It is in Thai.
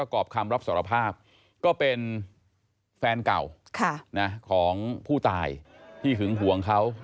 ก็เป็นแฟนเก่าของผู้ตายที่ถึงหวงเขา